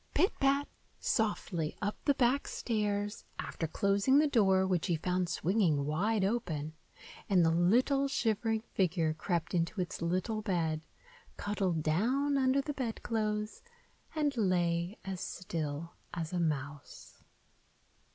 Pit pat, softly, up the back stairs, after closing the door, which he found swinging wide open, and the little shivering figure crept into its little bed, cuddled down under the bedclothes and lay as still as a mouse.